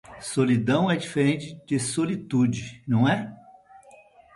Solidão é diferente de solitude, não é?